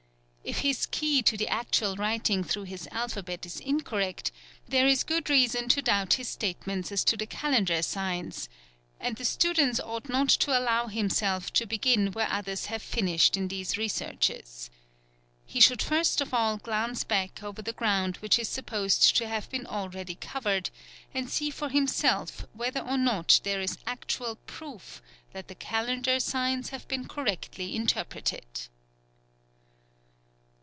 If his key to the actual writing through his alphabet is incorrect, there is good reason to doubt his statements as to the calendar signs; and the student ought not to allow himself to begin where others have finished in these researches. He should first of all glance back over the ground which is supposed to have been already covered, and see for himself whether or not there is actual proof that the calendar signs have been correctly interpreted.